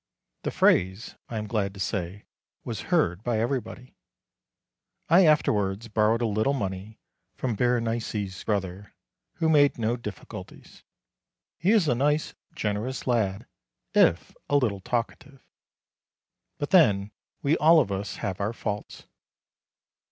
The phrase, I am glad to say, was heard by everybody. I afterwards borrowed a little money from Berenice's brother, who made no difficulties. He is a nice, generous lad, if a little talkative, but then we all of us have our faults.